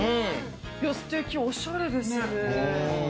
すてき、おしゃれですね。